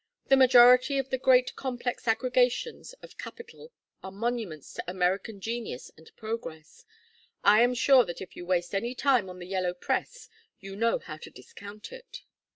The majority of the great complex aggregations of capital are monuments to American genius and progress; I am sure that if you waste any time on the yellow press you know how to discount it.